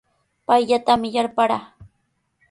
Payllatami yarparaa.